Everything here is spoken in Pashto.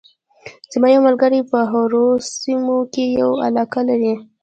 زما یو ملګری په هارو سیمه کې یوه علاقه لري